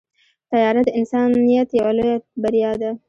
طیاره د انسانیت یوه لویه بریا ده.